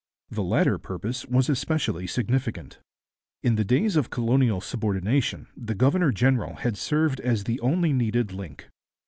The latter purpose was especially significant. In the days of colonial subordination the governor general had served as the only needed link.